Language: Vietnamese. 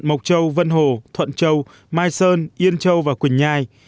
mộc châu vân hồ thuận châu mai sơn yên châu và quỳnh nhai